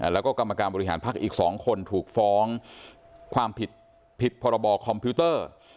แล้วก็กรรมการบริหารพักอีก๒คนถูกฟ้องความผิดผิดพรบคอมพิวเตอร์